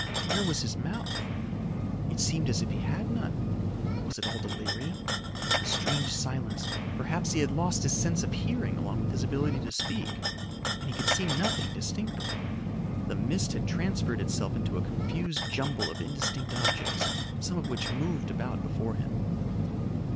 Where was his mouth? It seemed as if he had none. Was it all delirium? The strange silence perhaps he had lost his sense of hearing along with his ability to speak and he could see nothing distinctly. The mist had transferred itself into a confused jumble of indistinct objects, some of which moved about before him.